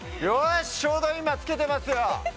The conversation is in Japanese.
ちょうど今つけてますよ。